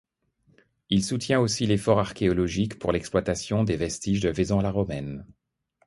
Il soutient aussi l'effort archéologique pour l'exploitation des vestiges de Vaison-la-Romaine.